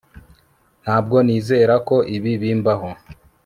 Ntabwo nizera ko ibi bimbaho